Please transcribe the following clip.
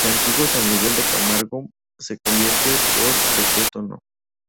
En antiguo San Miguel de Camargo, se convierte por decreto No.